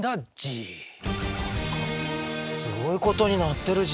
すごいことになってるＧ。